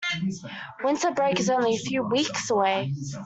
Winter break is only a few weeks away!